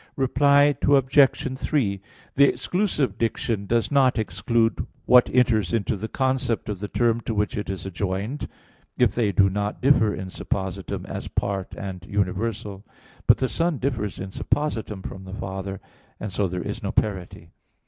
Reply Obj. 3: The exclusive diction does not exclude what enters into the concept of the term to which it is adjoined, if they do not differ in suppositum, as part and universal. But the Son differs in suppositum from the Father; and so there is no parity.